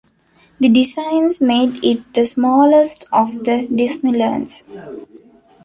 The designs made it the smallest of the Disneylands.